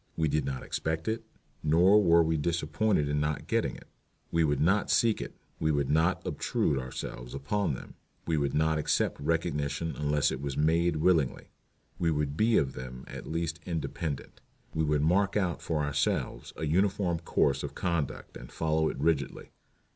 We did not expect it, nor were we disappointed in not getting it. We would not seek it. We would not obtrude ourselves upon them. We would not accept recognition unless it was made willingly. We would be of them at least independent. We would mark out for ourselves a uniform course of conduct and follow it rigidly.